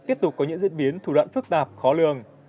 tiếp tục có những diễn biến thủ đoạn phức tạp khó lường